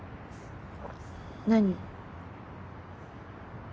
何？